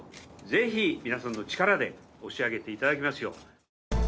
ぜひ皆さんの力で押し上げていただきますよう。